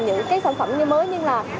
những cái sản phẩm như mới như là